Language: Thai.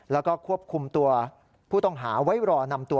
แล้วก็ควบคุมตัวผู้ต้องหาไว้รอนำตัว